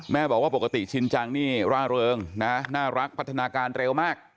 บอกว่าปกติชินจังนี่ร่าเริงนะน่ารักพัฒนาการเร็วมาก